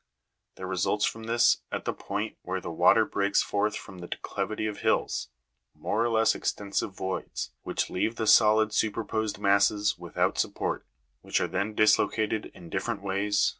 There results from this, at the point where the water breaks forth from the declivity of hills, mo're or less ex tensive voids, which leave the solid superposed masses without support, which are then dislocated in different ways (fig 209) and Fig.